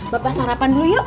bapak sarapan dulu yuk